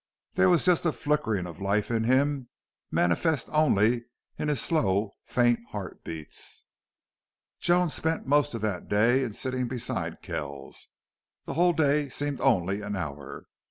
There was just a flickering of life in him, manifest only in his slow, faint heart beats. Joan spent most of that day in sitting beside Kells. The whole day seemed only an hour.